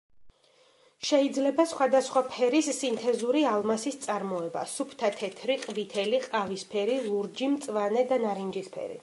შეიძლება სხვადასხვა ფერის სინთეზური ალმასის წარმოება: სუფთა თეთრი, ყვითელი, ყავისფერი, ლურჯი, მწვანე და ნარინჯისფერი.